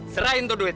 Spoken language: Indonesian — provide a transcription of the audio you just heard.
serahin tuh duit